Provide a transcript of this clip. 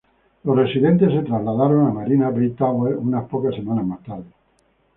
Los residentes se trasladaron a Marina Bay Tower unas pocas semanas más tarde.